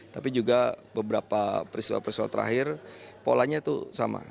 tapi juga beberapa peristiwa peristiwa terakhir polanya itu sama